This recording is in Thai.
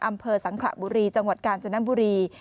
อำเภอสังขระบุรีจังหวัดกาญจนบุรี